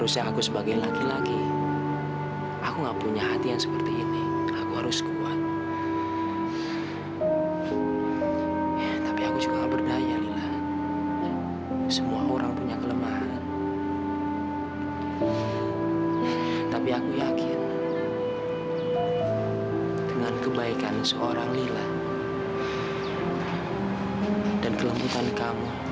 sampai jumpa di video selanjutnya